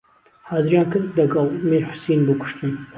حازریان کرد دهگەڵ میرحوسین بۆ کوشتن